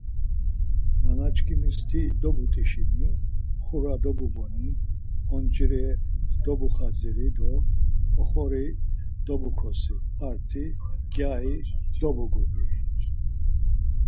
Nanaçkimis ti dobut̆işini, xura dobuboni, oncire dobuxadziri do oxori dobukosi, arti gyari dobugubi.